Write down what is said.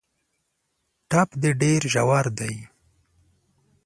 ټپ دي ډېر ژور دی .